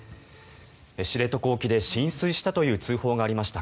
知床沖で浸水したという通報がありました